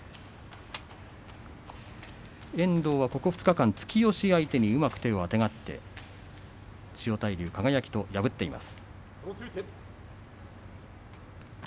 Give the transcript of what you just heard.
遠藤はここ２日間突き押し相手にうまく手をあてがって千代大龍、輝を破っています。